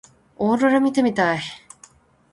オーロラ見てみたい。